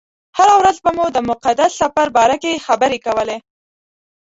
هره ورځ به مو د مقدس سفر باره کې خبرې کولې.